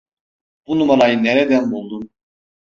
Bu numarayı nereden buldun?